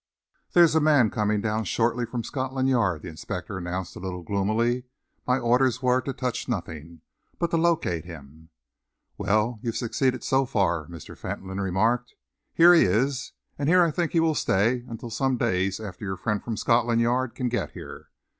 "There's a man coming down shortly from Scotland Yard," the inspector announced, a little gloomily. "My orders were to touch nothing, but to locate him." "Well, you've succeeded so far," Mr. Fentolin remarked. "Here he is, and here I think he will stay until some days after your friend from Scotland Yard can get here."